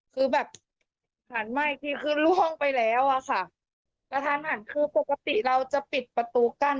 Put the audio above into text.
คือแบบสารไหม้ที่คือล่วงไปแล้วอ่ะค่ะประธานหารคือปกติเราจะปิดประตูกั้น